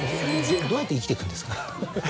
どうやって生きていくんですか？